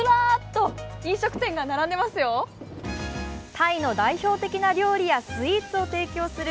タイの代表的な料理やスイーツを提供する